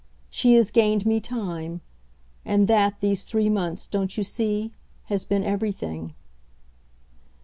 She has gained me time; and that, these three months, don't you see? has been everything."